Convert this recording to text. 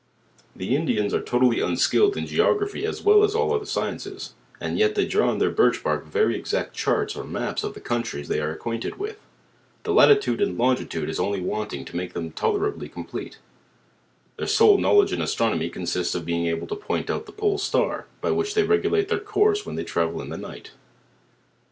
The Indians are totally unskilled In geography as well as all other sciences; and yet they draw on their birch bark very exact charts or maps of the countries they are acquain ted with. The latitude and longitude is only wanting to mike them tol r ibly complete. Their sole knowledge in astronomy consistg in being able to point out the pole star; by which they regulate their course when they travel in the night.